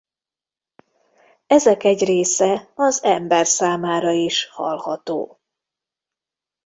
Ezek egy része az ember számára is hallható.